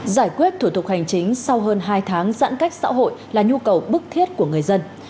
giải quyết thủ tục hành chính sau hơn hai tháng giãn cách xã hội là nhu cầu bức thiết của người dân